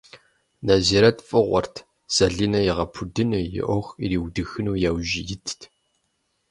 Нэзирэт фыгъуэрт, Зэлинэ игъэпудыну, и ӏуэху ириудыхыну яужь итт.